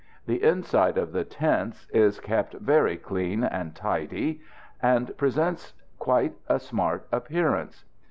The inside of the tents is kept very clean and tidy, and presents quite a smart appearance.